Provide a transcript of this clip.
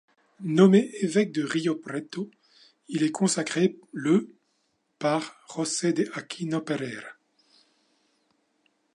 Nommé évêque de Rio Preto, il est consacré le par José de Aquino Pereira.